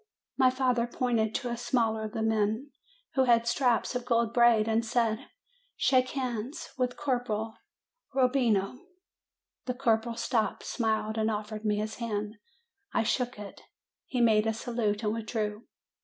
My father pointed to the smaller of the men, who 254 MAY had straps of gold braid, and said, "Shake hands with Corporal Robbino." The corporal stopped, smiled, and offered me his hand; I shook it; he made a salute and withdrew.